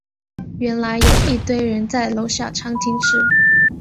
原来有一堆人都在楼下餐厅吃